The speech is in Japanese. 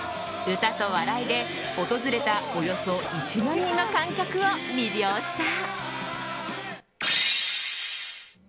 歌と笑いで、訪れたおよそ１万人の観客を魅了した。